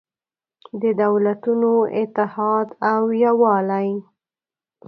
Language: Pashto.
د دولتونو اتحاد او یووالی